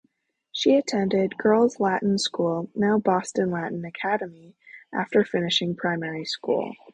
She attended Girls' Latin School, now Boston Latin Academy, after finishing primary school.